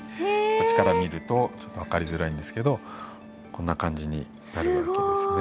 こっちから見るとちょっと分かりづらいんですけどこんな感じになるわけですね。